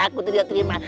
aku tidak terima